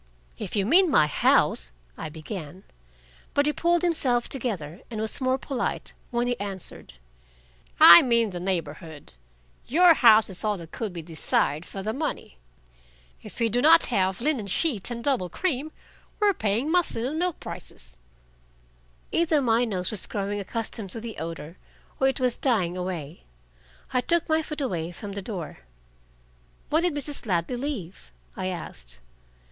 "If you mean my house " I began. But he had pulled himself together and was more polite when he answered. "I mean the neighborhood. Your house is all that could be desired for the money. If we do not have linen sheets and double cream, we are paying muslin and milk prices." Either my nose was growing accustomed to the odor, or it was dying away: I took my foot away from the door. "When did Mrs. Ladley leave?" I asked.